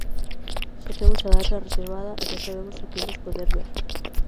Xa temos a data reservada e xa sabemos o que imos poder ver.